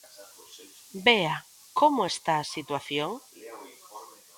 Bea, como está a situación?